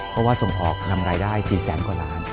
เพราะว่าส่งออกนำรายได้๔แสนกว่าล้าน